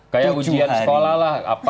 kayak ujian sekolah lah